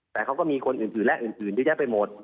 แต่เขาก็มีคนอื่นและอื่นเยอะแยะไปหมด